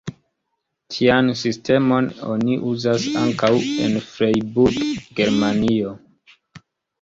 Tian sistemon oni uzas ankaŭ en Freiburg, Germanio.